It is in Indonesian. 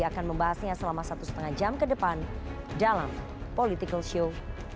akan membahasnya selama satu lima jam ke depan dalam political show